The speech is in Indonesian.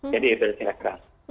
jadi itu yang terjadi